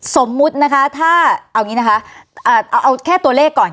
สมมุตินะคะถ้าเอาอย่างนี้นะคะเอาแค่ตัวเลขก่อน